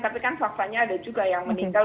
tapi kan saksanya ada juga yang menitel